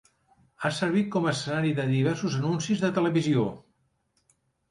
Ha servit com a escenari de diversos anuncis de televisió.